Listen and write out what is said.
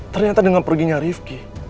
ternyata dengan perginya rifqi